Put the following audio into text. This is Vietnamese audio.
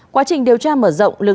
quá trình điều tra mở rộng